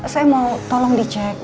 saya mau tolong dicek